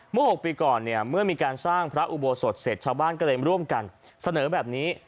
๖ปีก่อนเนี่ยเมื่อมีการสร้างพระอุโบสถเสร็จชาวบ้านก็เลยร่วมกันเสนอแบบนี้